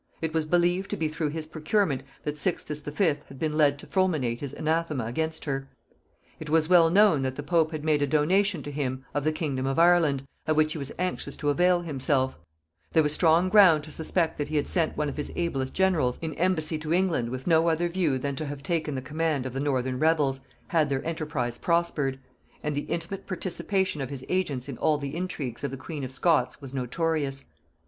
It was believed to be through his procurement that Sixtus V. had been led to fulminate his anathema against her; it was well known that the pope had made a donation to him of the kingdom of Ireland, of which he was anxious to avail himself; there was strong ground to suspect that he had sent one of his ablest generals in embassy to England with no other view than to have taken the command of the northern rebels, had their enterprise prospered; and the intimate participation of his agents in all the intrigues of the queen of Scots was notorious.